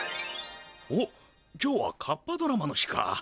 おっ今日は火っ８ドラマの日か。